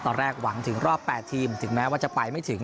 หวังถึงรอบ๘ทีมถึงแม้ว่าจะไปไม่ถึง